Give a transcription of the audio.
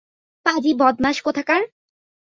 পাজী বদমাশ কোথাকার!